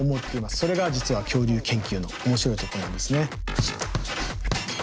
それが実は恐竜研究の面白いところなんですね。